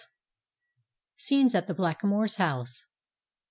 SCENES AT THE BLACKAMOOR'S HOUSE.